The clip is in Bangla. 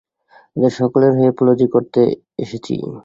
ওদের সকলের হয়ে অ্যাপলজি করতে এসেছি।